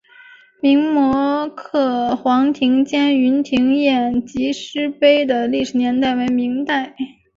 明摹刻黄庭坚云亭宴集诗碑的历史年代为明代。